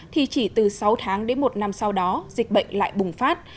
thì chỉ từ sáu tháng đến một năm sau đó dịch bệnh lại bùng phát